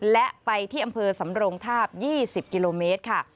และไปที่อำเภอสำรงทาบ๒๐กิโลเมตรค่ะ